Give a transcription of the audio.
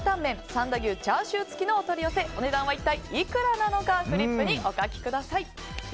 三田牛チャーシュー付きのお取り寄せお値段は一体いくらなのかフリップにお書きください。